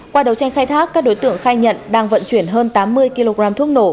qua đấu tranh khai thác các đối tượng khai nhận đang vận chuyển hơn tám mươi kg thuốc nổ